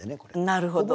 なるほど。